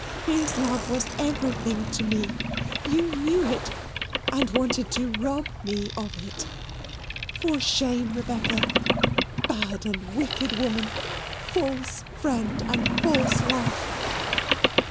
His love was everything to me. You knew it, and wanted to rob me of it. For shame, Rebecca; bad and wicked woman false friend and false wife."